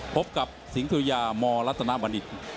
พบกับสิงศุรยามรัฐนาบรรดิ